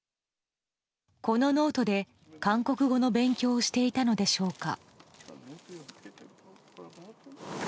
このノートで韓国語の勉強をしていたのでしょうか。